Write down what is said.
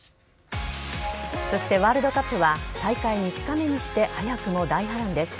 そしてワールドカップは大会３日目にして早くも大波乱です。